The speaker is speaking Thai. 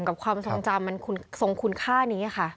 ความทรงจำมันทรงคุณค่านี้ค่ะ